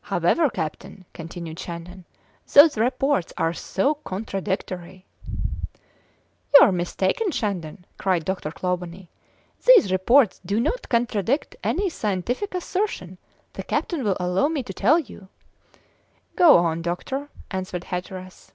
"However, captain," continued Shandon, "those reports are so contradictory." "You are mistaken, Shandon," cried Dr. Clawbonny. "These reports do not contradict any scientific assertion, the captain will allow me to tell you." "Go on, doctor," answered Hatteras.